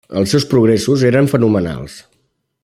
Els seus progressos eren fenomenals.